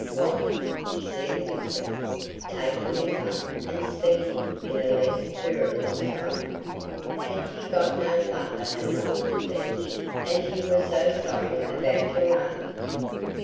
"What!" said Lisbeth, taking the cup and speaking in a less querulous tone, "had ye got no feyther and mother, then, as ye war so sorry about your aunt?"